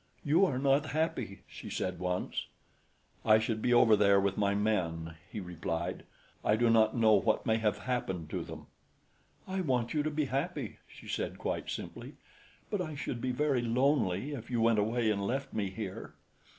"You are not happy," she said once. "I should be over there with my men," he replied. "I do not know what may have happened to them." "I want you to be happy," she said quite simply; "but I should be very lonely if you went away and left me here."